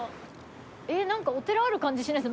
えっ何かお寺ある感じしないです。